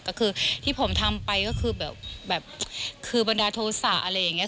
ก็คือที่ผมทำไปก็คือแบบคือบันดาลโทษะอะไรอย่างนี้